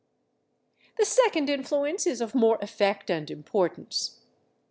The second influence is of more effect and importance.